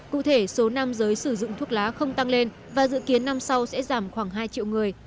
cụ thể số nam giới sử dụng thuốc lá không tăng lên và dự kiến năm sau sẽ giảm khoảng hai triệu người